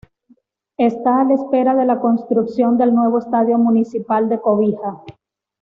Está a la espera de la construcción del nuevo Estadio Municipal de Cobija.